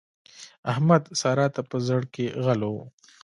احمد؛ سارا ته په زړ کې غل وو.